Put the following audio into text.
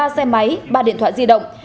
ba xe máy ba điện thoại di động